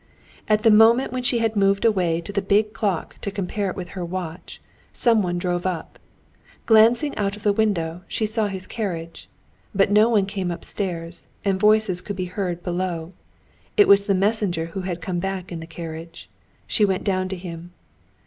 At the moment when she had moved away to the big clock to compare it with her watch, someone drove up. Glancing out of the window, she saw his carriage. But no one came upstairs, and voices could be heard below. It was the messenger who had come back in the carriage. She went down to him.